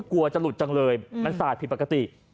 กลัวจะหลุดจังเลยมันสาดผิดปกติ